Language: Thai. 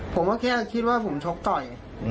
ผมก็แค่คิดว่าผมชกต่อย